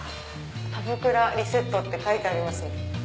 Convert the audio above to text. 「パブクラリセット」って書いてありますよ。